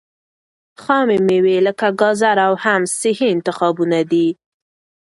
خامې مېوې لکه ګاځره او حمص صحي انتخابونه دي.